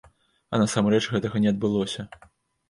А насамрэч гэтага не адбылося.